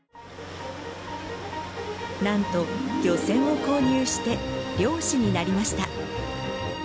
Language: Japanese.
なんと漁船を購入して漁師になりました。